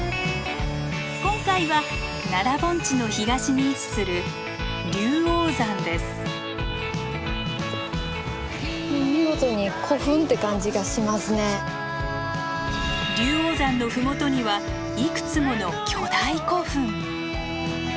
今回は奈良盆地の東に位置する龍王山の麓にはいくつもの巨大古墳。